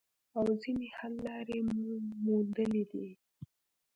او ځینې حل لارې مو موندلي دي